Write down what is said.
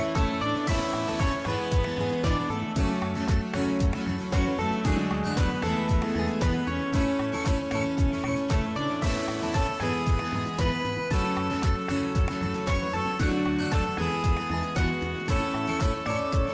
สวัสดีครับสวัสดีครับ